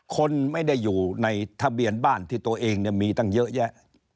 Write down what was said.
คนไม่ได้อยู่ในทะเบียนบ้านที่ตัวเองมีตั้งเยอะแยะ